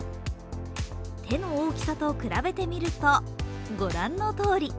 手の大きさと比べてみると御覧のとおり。